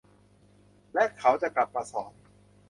และเขาจะกลับมาสอน